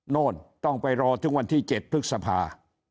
โน่นต้องไปรอถึงวันที่๗พฤษภา